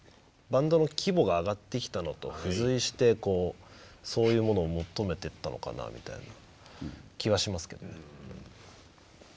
バンドの規模が上がってきたのと付随してこうそういうものを求めてったのかなみたいな気はしますけどね。